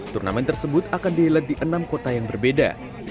turnamen tersebut akan dihelat di enam kota yang berbeda